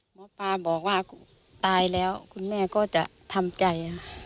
หมอปลาบอกว่าตายแล้วคุณแม่ก็จะทำใจ